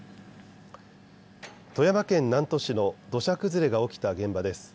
富山県南砺市の土砂崩れが起きた現場です。